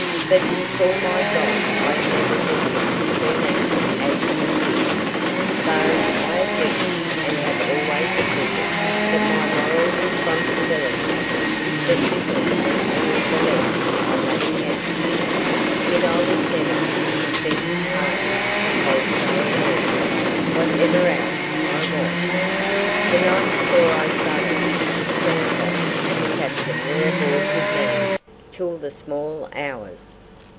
"But before my God I never meant it to turn out as it did; though I admit and have always admitted that my moral responsibility is but little if any the less on that account. Yet I was never a consenting party to wholesale murder, whatever else I was. The night before I sailed, Santos and the captain were aboard with me till the small hours.